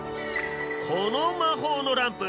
この魔法のランプ